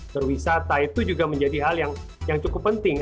berwisata itu juga menjadi hal yang cukup penting